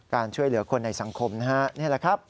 การช่วยเหลือคนในสังคมนะฮะนี่แหละครับ